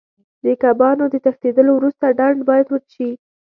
د کبانو د تښتېدلو وروسته ډنډ باید وچ شي.